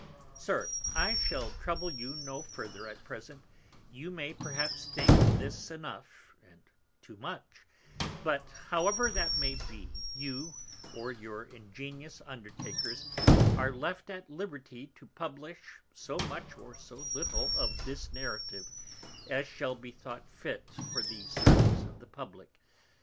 SIR; I shall trouble you no further at present, you may perhaps think this enough, and too much; but however that may be, you, or your ingenious Undertakers are left at liberty to publish so much, or so little of this Narrative, as shall be thought fit for the Service of the Publick.